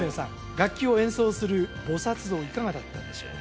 楽器を演奏する菩薩像いかがだったでしょうか？